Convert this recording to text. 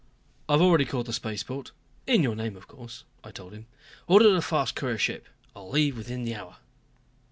"I've already called the spaceport in your name of course," I told him. "Ordered a fast courier ship. I'll leave within the hour."